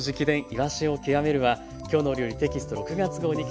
いわしを極める」は「きょうの料理」テキスト６月号に掲載しています。